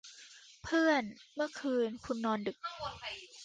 เพื่อน เมื่อคืนคุณนอนดึก